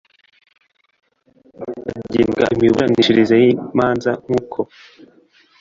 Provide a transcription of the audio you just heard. agenga imiburanishirize y imanza nk uko